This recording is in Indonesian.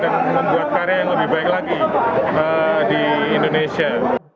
untuk mencari karya yang lebih baik lagi di indonesia